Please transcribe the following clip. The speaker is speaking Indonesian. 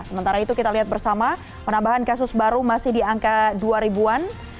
sementara itu kita lihat bersama penambahan kasus baru masih di angka dua ribu an